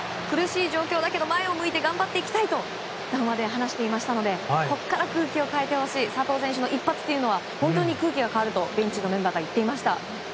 苦しい状況だけど前を向いて頑張っていきたいと談話で話していましたのでここから空気を変えてほしい、佐藤選手の一発は本当に空気が変わるとベンチのメンバーが言ってました。